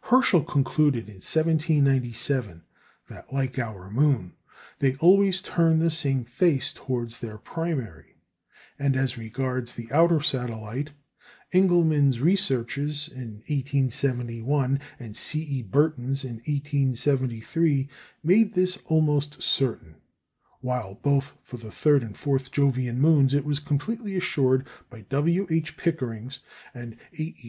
Herschel concluded in 1797 that, like our moon, they always turn the same face towards their primary, and as regards the outer satellite, Engelmann's researches in 1871, and C. E. Burton's in 1873, made this almost certain; while both for the third and fourth Jovian moons it was completely assured by W. H. Pickering's and A. E.